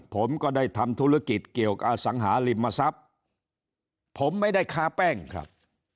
ผมก็ได้ทำธุรกิจเกี่ยวกับอสังหาริมทรัพย์ผมไม่ได้ค้าแป้งครับ